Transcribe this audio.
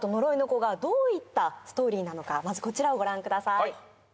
このまずこちらをご覧ください